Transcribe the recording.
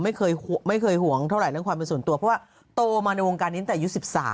ไม่เคยห่วงเท่าไหร่เรื่องความเป็นส่วนตัวเพราะว่าโตมาในวงการนี้ตั้งแต่อายุ๑๓